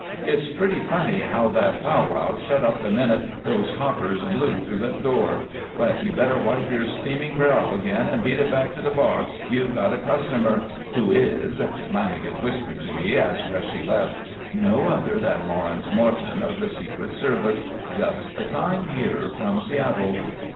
It's pretty funny how that pow wow shut up the minute those coppers blew through that door. But you better wipe your streaming brow again and beat it back to the bar. You've got a customer. Who is " Lanagan whispered to me as Bresci left, "no other than Lawrence Morton of the secret service, just assigned here from Seattle."